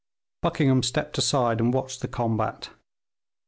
Buckingham stepped aside, and watched the combat.